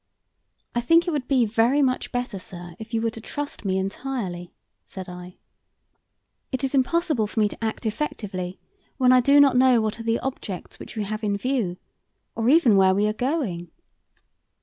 "I think it would very much better, sir, if you were to trust me entirely," said I. "It is impossible for me to act effectively, when I do not know what are the objects which we have in view, or even where we are going."